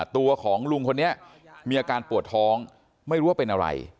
ตัวของลุงคนนี้มีอาการปวดท้องไม่รู้ว่าเป็นอะไร